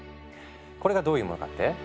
これがどういうものかって？